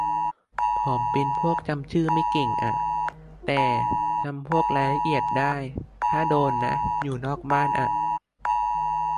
ผมเป็นพวกจำชื่อไม่เก่งอ่ะ แต่จำพวกรายละเอียดได้ ถ้าโดนนะ อยู่นอกบ้านอ่ะ